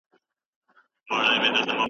عواید په شفافه توګه د دولت خزانې ته تلل.